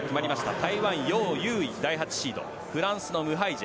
台湾、ヨウ・ユウイ第８シードフランスのムハイジェ。